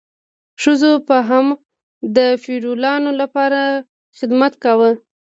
ښځو به هم د فیوډالانو لپاره خدمت کاوه.